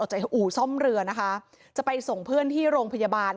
จากอู่ซ่อมเรือนะคะจะไปส่งเพื่อนที่โรงพยาบาล